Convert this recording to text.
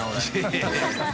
いやいや